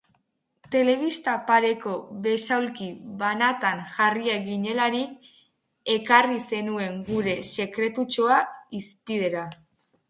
Telebista pareko besaulki banatan jarriak ginelarik ekarri zenuen gure sekretutxoa hizpidera.